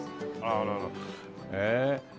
あららへえ。